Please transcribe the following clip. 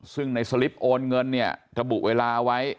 ซึ่งในสลิปโอนเงินเนี่ยระบุเวลาไว้